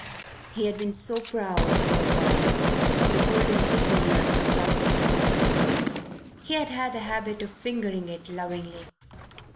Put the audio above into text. He had been so proud, poor boy, of the gold insignia across his stomach. He had had a habit of fingering it lovingly.